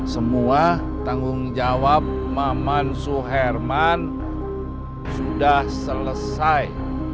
semua tanggung jawab mamansuh herman sudah selesai